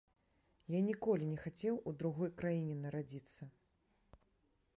Я ніколі не хацеў у другой краіне нарадзіцца.